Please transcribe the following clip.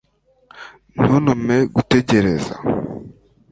ntuntume gutegereza